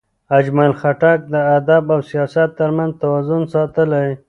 اجمل خټک د ادب او سیاست ترمنځ توازن ساتلی.